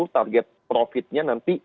target profitnya nanti